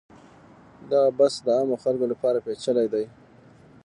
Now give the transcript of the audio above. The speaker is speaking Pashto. دغه بحث د عامو خلکو لپاره پیچلی دی.